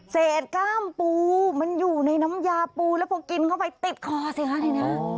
เสร็จกล้ามปูมันอยู่ในน้ำยาปูแล้วพอกินเข้าไปติดคอสิคะเลยนะ